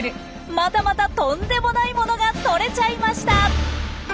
またまたとんでもないものが撮れちゃいました！